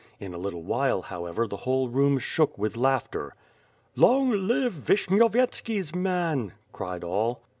In a little while, however, the whole room shook with laughter. "Long live Vishnyovyetski's man?" cried all.